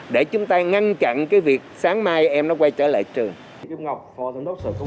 để chúng ta ngăn chặn cái việc sáng mai em nó quay trở lại trường